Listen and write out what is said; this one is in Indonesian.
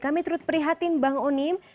kami turut prihatin bang onim